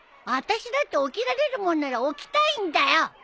あたしだって起きられるもんなら起きたいんだよ！